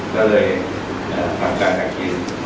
ก็เลยทำการแข่งกิน